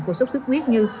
của sốt sức khuyết như